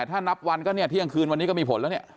ถ้านับวันก็เนี่ยเที่ยงคืนวันนี้ก็มีผลแล้วเนี่ย